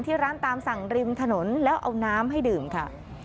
ร้านตามสั่งริมถนนแล้วเอาน้ำให้ดื่มค่ะ